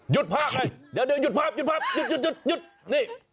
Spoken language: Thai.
หยุดภาพเลยเดี๋ยวหยุดภาพหยุดนี่